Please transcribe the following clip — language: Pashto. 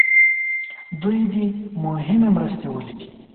دوی دې مهمې مرستې ولیکي.